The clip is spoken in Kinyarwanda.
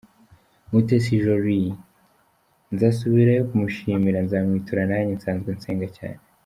Mutesi Jolly: Nzasubirayo kumushimira, nzamwitura nanjye nsanzwe nsenga cyane.